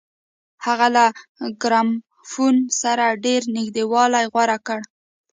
هغه له ګرامافون سره ډېر نږدېوالی غوره کړ